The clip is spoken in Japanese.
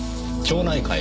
町内会？